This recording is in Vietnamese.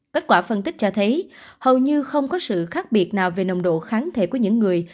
kết quả phân tích cho thấy hầu như không có sự khác biệt nào về nồng độ kháng thể của những người